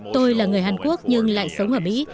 tôi là người hàn quốc nhưng lại sống ở mỹ